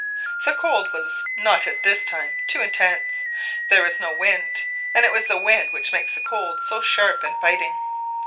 The cold was not at this time too intense; there was no wind, and it is the wind which makes the cold so sharp and biting.